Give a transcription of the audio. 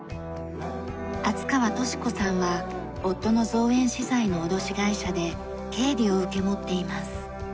厚川俊子さんは夫の造園資材の卸会社で経理を受け持っています。